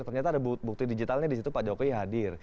ternyata ada bukti digitalnya di situ pak jokowi hadir